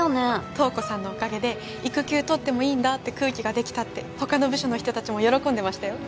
瞳子さんのおかげで育休とってもいいんだって空気ができたって他の部署の人達も喜んでましたよ